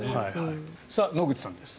野口さんです。